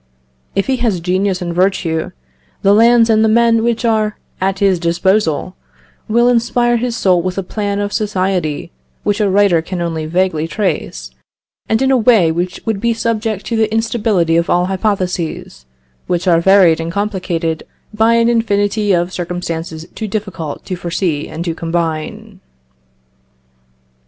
If he has genius and virtue, the lands and the men which are at his disposal will inspire his soul with a plan of society which a writer can only vaguely trace, and in a way which would be subject to the instability of all hypotheses, which are varied and complicated by an infinity of circumstances too difficult to foresee and to combine."